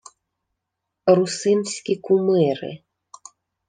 — Русинські кумири.